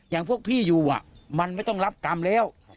อย่างพวกพี่อยู่มันไม่ต้องรับกรรมแล้ว